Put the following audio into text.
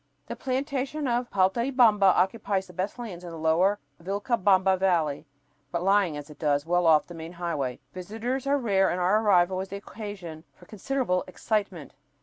The plantation of Paltaybamba occupies the best lands in the lower Vilcabamba Valley, but lying, as it does, well off the main highway, visitors are rare and our arrival was the occasion for considerable excitement.